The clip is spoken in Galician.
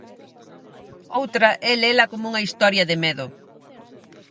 Outra é lela coma unha historia de medo.